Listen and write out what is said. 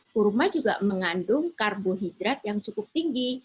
kurma juga mengandung karbohidrat yang cukup tinggi